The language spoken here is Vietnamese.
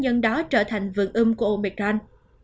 nhân đó trở thành vườn ưm của omicron